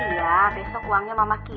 iya besok uangnya mama ki